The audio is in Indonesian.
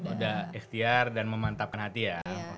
ada ikhtiar dan memantapkan hati ya